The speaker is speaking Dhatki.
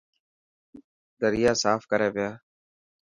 دريا صاف ڪري پيا.